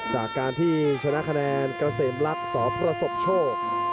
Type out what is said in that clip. จากการที่ชนะคะแนนกระเสมรักษ์สพระศพโชค